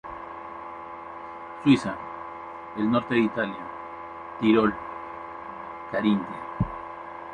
Suiza, el norte de Italia, Tirol, Carintia.